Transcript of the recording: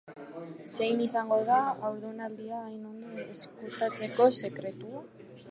Zein izango da haurdunaldia hain ondo ezkutatzeko sekretua?